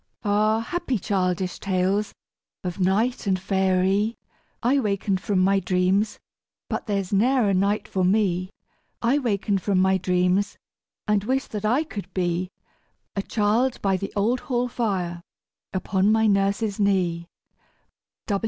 Ah! happy childish tales of knight and faërie! I waken from my dreams but there's ne'er a knight for me; I waken from my dreams and wish that I could be A child by the old hall fire upon my nurse's knee!